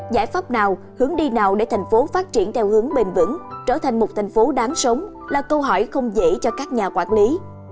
giải pháp nào hướng đi nào để thành phố phát triển theo hướng bền vững trở thành một thành phố đáng sống là câu hỏi không dễ cho các nhà quản lý